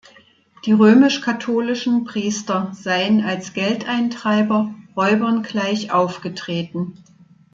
Die römisch-katholischen Priester seien als Geldeintreiber Räubern gleich aufgetreten.